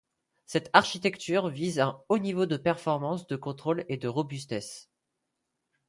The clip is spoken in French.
Cette architecture vise un haut niveau de performance, de contrôle, et de robustesse.